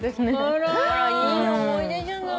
あらいい思い出じゃない。